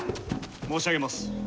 申し上げます。